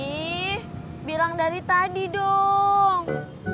ini bilang dari tadi dong